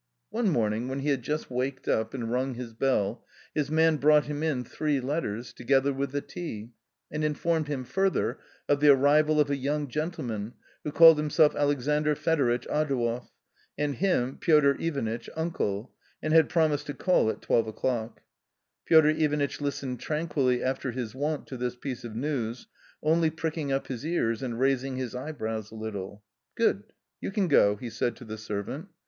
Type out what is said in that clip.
One morning, when he had just waked up and rung his \ bell, his man brought him in three letters together with the tea, and informed him further of the arrival of a young gentleman, who called himself Alexandr Fedoritch Adouev, j and him — Piotr Ivanitch — uncle, and had promised to call L at JLW£ly_ e _ o'clock. * Piotr Ivanitch listened tranquilly after / his wont to this piece of news, only pricking up his ears, and raising his eyebrows a little. " Good, you can go," he said to the servant.